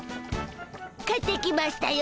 帰ってきましたよ